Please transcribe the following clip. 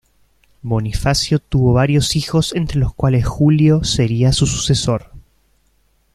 Bonifacio tuvo varios hijos entre los cuales Julio sería su sucesor.